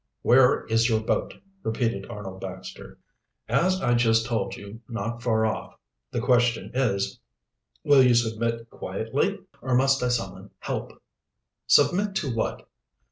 "Where is your boat?" repeated Arnold Baxter. "As I just told you, not far off. The question is, will you submit quietly, or must I summon help?" "Submit to what?"